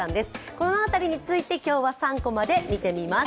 この辺りについて今日は３コマで見てみます。